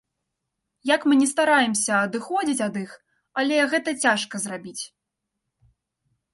Як мы ні стараемся адыходзіць ад іх, але гэта цяжка зрабіць.